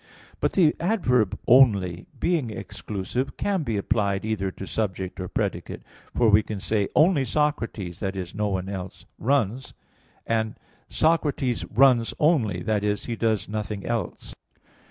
But the adverb "only," being exclusive, can be applied either to subject or predicate. For we can say, "Only Socrates" that is, no one else "runs: and Socrates runs only" that is, he does nothing else.